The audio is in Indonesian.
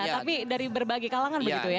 tapi dari berbagai kalangan begitu ya